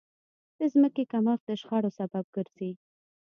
د ځمکې کمښت د شخړو سبب ګرځي.